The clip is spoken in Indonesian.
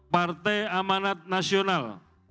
partai amanat nasional